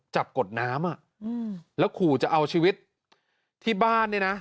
กดน้ำอ่ะอืมแล้วขู่จะเอาชีวิตที่บ้านเนี่ยนะ